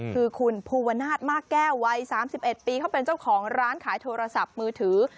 คือคุณภูวนาศมากแก้ววัย๓๑ปีเขาเป็นเจ้าของร้านขายโทรศัพท์มือถือ